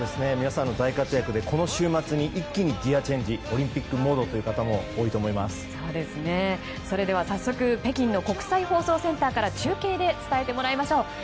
皆さん大活躍でこの週末に、一気にギアチェンジオリンピックモードという方もそれでは早速北京の国際放送センターから中継でつないでもらいましょう。